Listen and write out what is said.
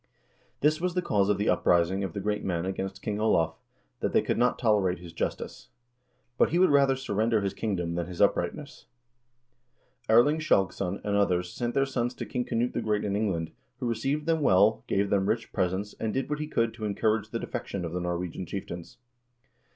This was the cause of the uprising of the great men against King Olav, that they could not tolerate his justice. But he would rather surrender his kingdom than his uprightness." * Erling Skjalgsson and others sent their sons to King Knut the Great in England, who received them well, gave them rich presents, and did what he could to encourage the defection of the Norwegian chieftains.